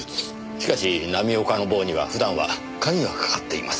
しかし浪岡の房には普段は鍵がかかっています。